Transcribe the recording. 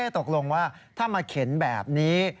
ตกลงว่าถ้ามาเข็นแบบนี้